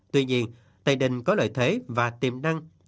tuy nhiên tây ninh có lợi thế và tiềm năng